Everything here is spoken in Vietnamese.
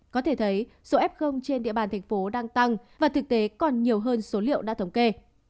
có thể thấy số f trên địa bàn thành phố đang tăng và thực tế còn nhiều hơn số liệu đã thống kê